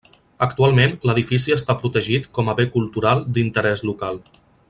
Actualment l'edifici està protegit com a Bé cultural d'interès local.